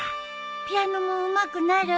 ピアノもうまくなる？